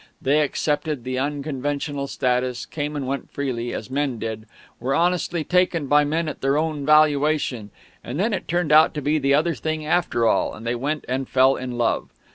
They accepted the unconventional status, came and went freely, as men did, were honestly taken by men at their own valuation and then it turned out to be the other thing after all, and they went and fell in love.